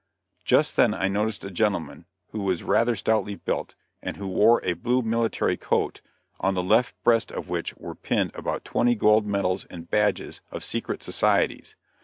Just then I noticed a gentleman, who was rather stoutly built, and who wore a blue military coat, on the left breast of which were pinned about twenty gold medals and badges of secret societies.